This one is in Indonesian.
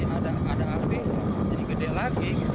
ada api jadi gede lagi